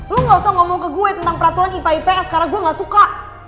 lu gak usah ngomong ke gue tentang peraturan ipa ips karena gue gak suka